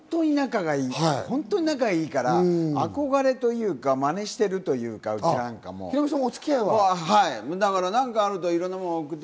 本当に仲いいから、憧れというか、真似しているというか、うちなんかも。